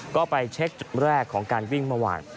ก็ไปเช็คจุดแรกของการวิ่งเมื่อวาน